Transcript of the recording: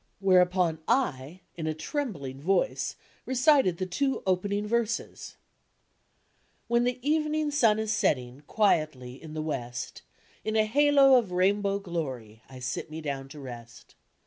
" Where u[>on I, in a trembling voice, recited the two opening verses: "When the evening sun is sening Quietly in the west, In a halo of rainbow glory, I sit me down to rest.